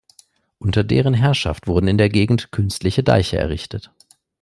Unter deren Herrschaft wurden in der Gegend künstliche Deiche errichtet.